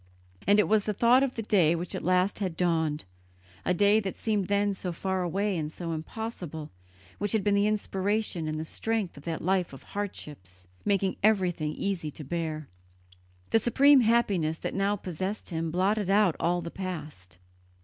And it was the thought of the day which at last had dawned, a day that seemed then so far away and so impossible, which had been the inspiration and the strength of that life of hardships, making everything easy to bear. The supreme happiness that now possessed him blotted out all the past.